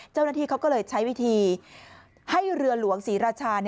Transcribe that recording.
เจ้าหน้าที่เขาก็เลยใช้วิธีให้เรือหลวงศรีราชา